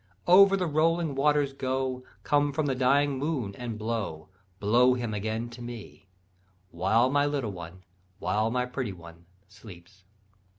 Over the rolling waters go, Come from the dying moon, and blow, Blow him again to me; While my little one, while my pretty one sleeps.